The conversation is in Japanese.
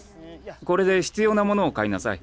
これでひつようなものを買いなさい。